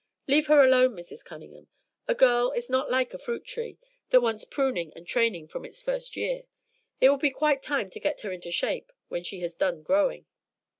Leave her alone, Mrs. Cunningham; a girl is not like a fruit tree, that wants pruning and training from its first year; it will be quite time to get her into shape when she has done growing."